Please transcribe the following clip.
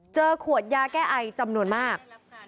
เจอขวดยาแก้ไอจำนวนมาก